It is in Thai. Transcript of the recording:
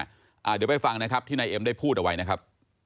เดี๋ยวไปฟังนะครับที่นายเอ็มได้พูดเอาไว้นะครับ